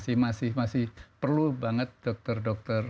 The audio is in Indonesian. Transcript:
masih perlu banget dokter dokter